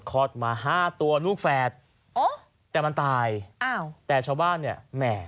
คลอดมาห้าตัวลูกแฝดอ๋อแต่มันตายอ้าวแต่ชาวบ้านเนี่ยแหม่